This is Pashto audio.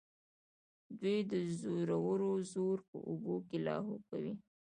دوی د زورورو زور په اوبو کې لاهو کوي.